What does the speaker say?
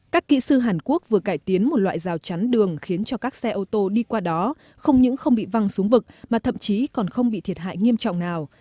các kỹ sư hàn quốc vừa cải tiến một loại rào chắn đường khiến cho các xe ô tô đi qua đó